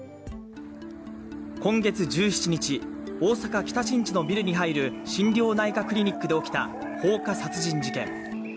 今月１７日、大阪北新地のビルに入る心療内科クリニックで起きた放火殺人事件。